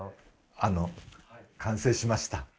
あの完成しました。